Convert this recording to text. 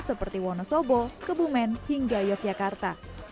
seperti wonosobo kebumen hingga yogyakarta